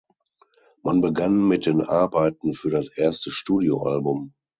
Man begann mit den Arbeiten für das erste Studio-Album.